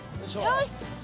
よし。